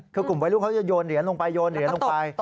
คือกลุ่มวัยรุ่นเขาจะโยนเหรียญลงไปโยนเหรียญลงไป